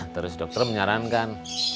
terus dokter menyarankan